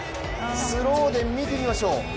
スローで見てみましょう。